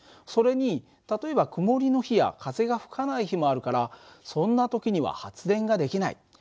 それに例えば曇りの日や風が吹かない日もあるからそんな時には発電ができない。